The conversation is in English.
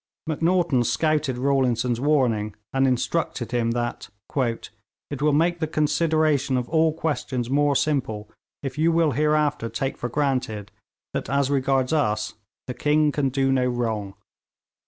Macnaghten scouted Rawlinson's warning, and instructed him that 'it will make the consideration of all questions more simple if you will hereafter take for granted that as regards us "the king can do no wrong."'